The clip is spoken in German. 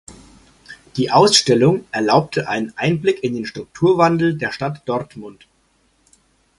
Die Ausstellung erlaubte einen Einblick in den Strukturwandel der Stadt Dortmund.